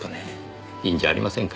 いいんじゃありませんか？